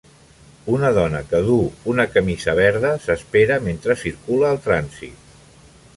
Una dona que duu una camisa verda s'espera mentre circula el trànsit.